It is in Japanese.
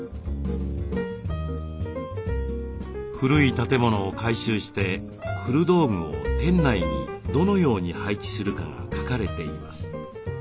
古い建物を改修して古道具を店内にどのように配置するかが描かれています。